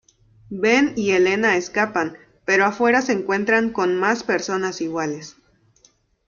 Ben y Elena escapan, pero afuera se encuentran con más personas iguales.